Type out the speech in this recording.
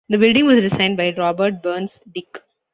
The building was designed by Robert Burns Dick.